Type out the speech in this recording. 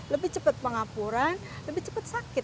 lebih cepat pengapuran lebih cepat sakit